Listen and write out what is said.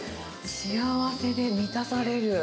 幸せで満たされる。